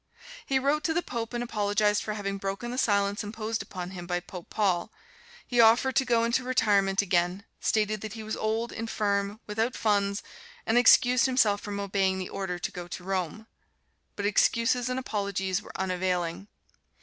He wrote to the Pope and apologized for having broken the silence imposed upon him by Pope Paul; he offered to go into retirement again; stated that he was old, infirm, without funds, and excused himself from obeying the order to go to Rome. But excuses and apologies were unavailing.